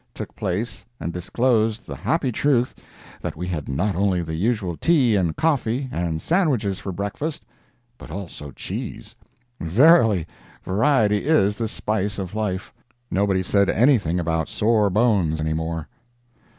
took place and disclosed the happy truth that we had not only the usual tea and coffee and sandwiches for breakfast, but also cheese! Verily, variety is the spice of life. Nobody said anything about sore bones anymore.